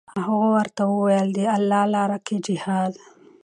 هغو ورته وویل: د الله لاره کې جهاد.